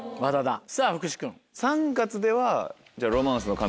さぁ福士君。